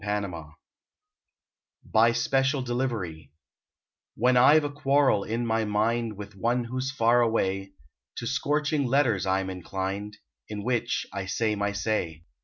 BY SPECIAL DELIVERY WHEN I ve a quarrel in my mind With one who s far away, To scorching letters I m inclined, In which I say my say.